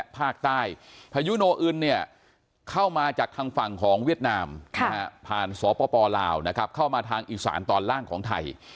ผ่านศปลาวนะครับเข้ามาทางอิสรรตอนล่างของไทย